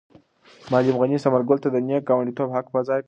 معلم غني ثمر ګل ته د نېک ګاونډیتوب حق په ځای کړ.